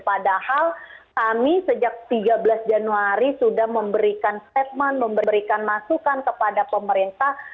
padahal kami sejak tiga belas januari sudah memberikan statement memberikan masukan kepada pemerintah